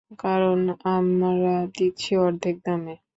কারন আমরা দিচ্ছি অর্ধেক দামে।